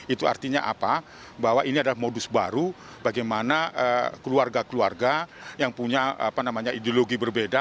itu artinya apa bahwa ini adalah modus baru bagaimana keluarga keluarga yang punya ideologi berbeda